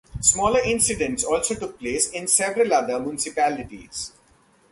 Smaller incidents also took place in several other municipalities.